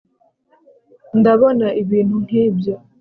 ndabona ibintu nkibyo